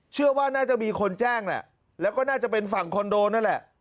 เชื่อว่าน่าจะมีคนแจ้งแหละแล้วก็น่าจะเป็นฝั่งคอนโดนั่นแหละ